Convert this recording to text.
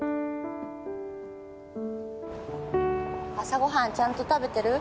朝ご飯ちゃんと食べてる？